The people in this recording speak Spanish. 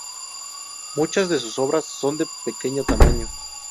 Muchas de sus obras son de pequeño tamaño.